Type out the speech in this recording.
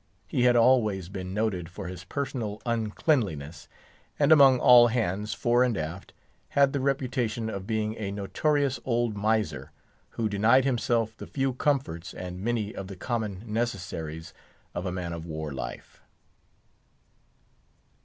He had always been noted for his personal uncleanliness, and among all hands, fore and aft, had the reputation of being a notorious old miser, who denied himself the few comforts, and many of the common necessaries of a man of war life.